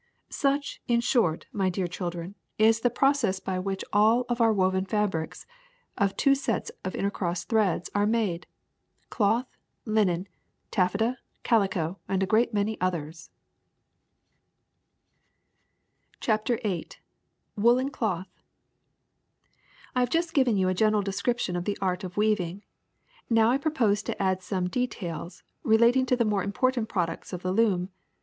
^^Such, in short, my dear children, is the process 40 THE SECRET OF EVERYDAY THINGS by which all our woven fabrics of two sets of inter crossed threads are made, cloth, linen, taffeta, calico, and a great many others/' \ CHAPTER VIII WOOLEN CLOTH ' T HAVE just given you a general description of the A art of weaving. Now I propose to add some de tails relating to the more important products of the loom.